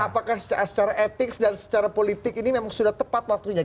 apakah secara etik dan secara politik ini memang sudah tepat waktunya